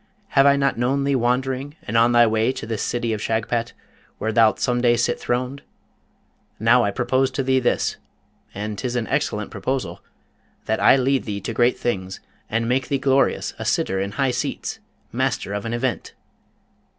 Have I not known thee wandering, and on thy way to this city of Shagpat, where thou'lt some day sit throned? Now I propose to thee this and 'tis an excellent proposal that I lead thee to great things, and make thee glorious, a sitter in high seats, Master of an Event?'